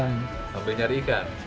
sampai nyari ikan